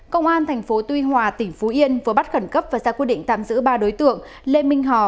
công an tp tuy hòa tỉnh phú yên vừa bắt khẩn cấp và ra quyết định tạm giữ ba đối tượng lê minh hò